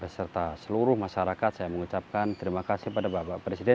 beserta seluruh masyarakat saya mengucapkan terima kasih pada bapak presiden